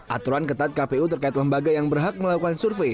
aturan ketat kpu terkait lembaga yang berhak melakukan survei